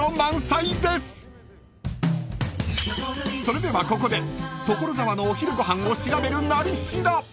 ［それではここで所沢のお昼ご飯を調べる「なり調」］